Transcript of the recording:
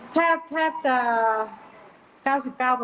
แทบจะ๙๙เลยนะคะ